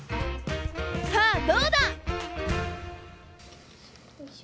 さあどうだ！？